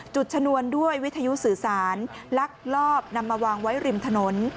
ชนวนด้วยวิทยุสื่อสารลักลอบนำมาวางไว้ริมถนน